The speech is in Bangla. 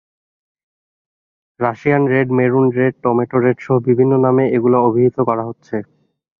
Russian red, maroon red, tomato রেডসহ বিভিন্ন নামে এগুলো অভিহিত করা হচ্ছে।